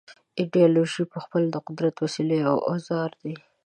ایدیالوژۍ پخپله د قدرت وسیلې او اوزار دي.